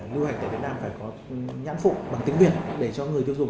lưu hành tại việt nam phải có nhãn phụ bằng tiếng việt